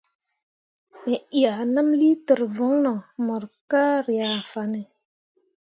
Me ʼyah nəm liiter voŋno mok ka ryah fanne.